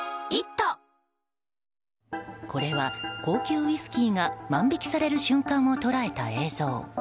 これは、高級ウイスキーが万引きされる瞬間を捉えた映像。